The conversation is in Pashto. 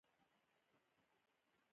مېوې د انسان د بدن زياتره اړتياوې پوره کوي.